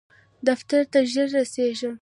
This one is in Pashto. دفتر ته ژر رسیږم